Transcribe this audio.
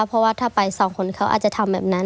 เพราะว่าถ้าไปสองคนเขาอาจจะทำแบบนั้น